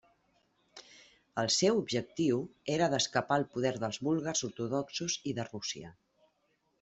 El seu objectiu era d'escapar al poder dels búlgars ortodoxos i de Rússia.